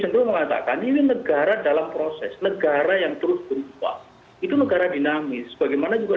ah tadik ale negara dalam proses negara yang terus berubah itu negara diri bagaimana juga